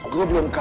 gue belum kalah